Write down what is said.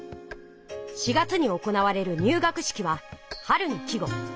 ４月に行われる「入学式」は春の季語。